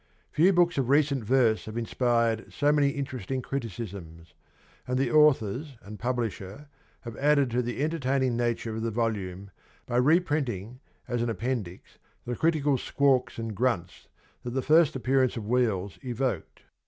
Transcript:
Few books of recent verse have inspired so many interesting criticisms, and the authors and publisher have added to the entertaining nature of the volume by reprinting as an appendix the critical squawks and grunts that the first appearance of ' Wheels ' evoked.